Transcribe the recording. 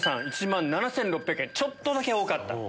１万７６００円ちょっとだけ多かった。